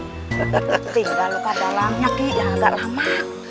tinggal luka dalamnya ki yang agak lama